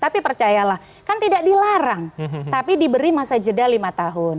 tapi percayalah kan tidak dilarang tapi diberi masa jeda lima tahun